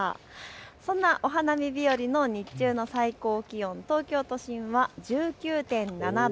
そんなお花見日和の日中の最高気温、東京都心は１９．７度。